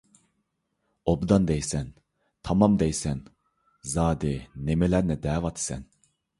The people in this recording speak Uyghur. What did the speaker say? «ئوبدان» دەيسەن، «تامام» دەيسەن، زادى نېمىلەرنى دەۋاتىسەن؟